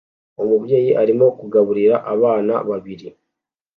Umubyeyi arimo kugaburira abana babiri